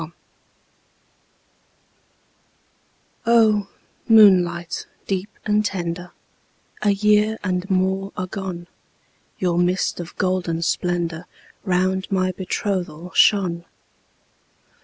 SONG O moonlight deep and tender, A year and more agone, Your mist of golden splendor Round my betrothal shone!